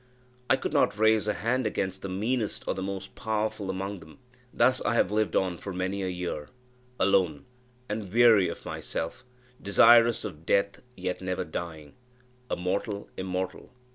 I could not raise a hand against the meanest or the most powerful among them. Thus have I lived on for many a year alone, and weary of myself desirous of death, yet never dying a mortal immortal.